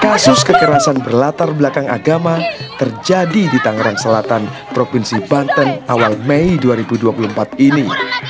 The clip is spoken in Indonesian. kasus kekerasan berlatar belakang agama terjadi di tangerang selatan provinsi banten awal mei dua ribu dua puluh empat ini